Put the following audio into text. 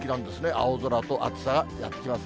青空と暑さがやって来ます。